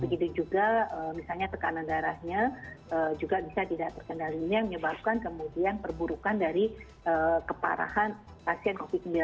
begitu juga misalnya tekanan darahnya juga bisa tidak terkendalinya menyebabkan kemudian perburukan dari keparahan pasien covid sembilan belas